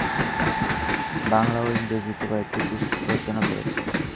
বাংলা ও ইংরেজিতে কয়েকটি পুস্তক রচনা করেছেন।